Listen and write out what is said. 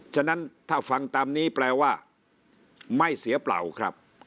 ฉะนั้นถ้าฟังตามนี้แปลว่าไม่เสียเปล่าครับ